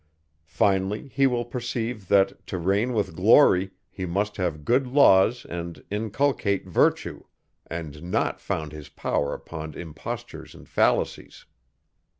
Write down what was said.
Finally, he will perceive, that, to reign with glory, he must have good laws and inculcate virtue, and not found his power upon impostures and fallacies.